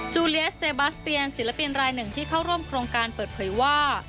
ูเลียสเซบาสเตียนศิลปินรายหนึ่งที่เข้าร่วมโครงการเปิดเผยว่า